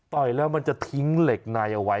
ต่อยแล้วมันจะทิ้งเหล็กในเอาไว้